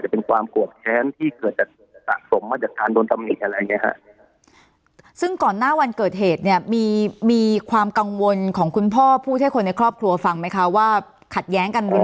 เพราะว่าคือระหว่างหมอภูวะดนของคุณพ่อเนี่ย